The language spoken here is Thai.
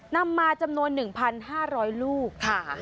นำมาจำนวน๑๕๐๐ลูกค่ะ